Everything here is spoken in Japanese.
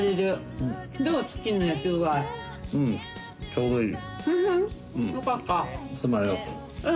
ちょうどいい。